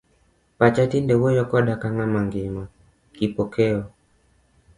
Pacha tinde wuoyo koda ka ng'ama ngima, Kipokeo.